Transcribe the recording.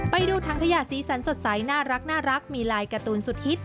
ไปดูถังขยะสีสันสดใสน่ารักมีลายการ์ตูนสุดฮิต